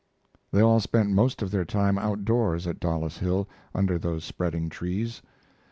They all spent most of their time outdoors at Dollis Hill under those spreading trees.